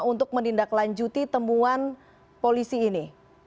untuk menindaklanjuti temuan polisi ini